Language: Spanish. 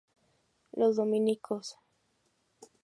Los dominicos.